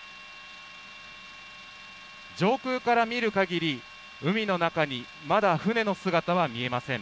上空から見るかぎり、海の中にまだ船の姿は見えません。